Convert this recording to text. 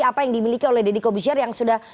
apa yang dimiliki oleh deddy kobusyar yang sudah